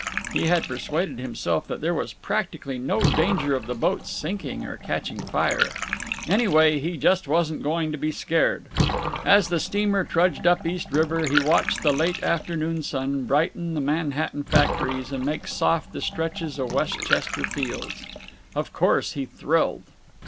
_" He had persuaded himself that there was practically no danger of the boat's sinking or catching fire. Anyway, he just wasn't going to be scared. As the steamer trudged up East River he watched the late afternoon sun brighten the Manhattan factories and make soft the stretches of Westchester fields. (Of course, he "thrilled.")